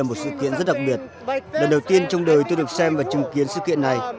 là một sự kiện rất đặc biệt lần đầu tiên trong đời tôi được xem và chứng kiến sự kiện này